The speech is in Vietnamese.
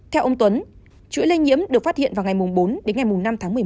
theo ông tuấn chuỗi lây nhiễm được phát hiện vào ngày bốn đến ngày năm tháng một mươi một